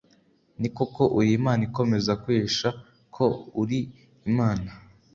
Ni koko uri Imana ikomeza kwihisha k uri Imana